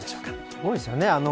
すごいですよね。